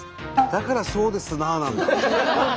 だから「そうですな」なんだ。